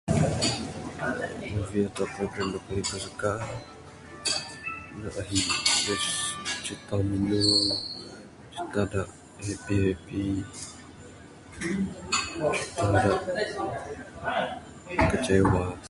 Movie ato pun cerita da paling ku suka ne ahi [unintelligible] cerita minu cerita da happy happy cerita da kecewa.